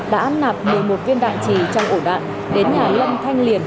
đã nạp một mươi một viên đạn trì trong ổ đạn đến nhà lâm thanh liền